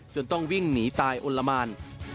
ต้องวิ่งหนีตายอลละมาน